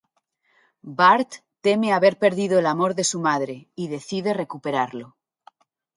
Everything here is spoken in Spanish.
Bart teme haber perdido el amor de su madre, y decide recuperarlo.